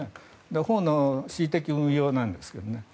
法の恣意的運用なんですけどね。